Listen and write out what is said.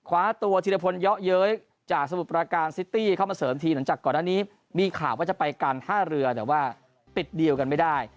ว่าจะไปการท่าเรือแต่ว่าปิดดีลกันไม่ได้